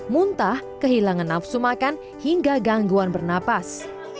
muntah kehilangan nafsu makan hingga gangguan bernapas